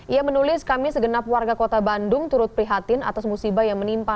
ia menulis kami segenap warga kota bandung turut prihatin atas musibah yang menimpa